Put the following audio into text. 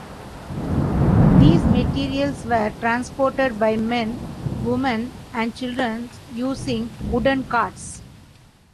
These materials were transported by men, women, and children using wooden carts.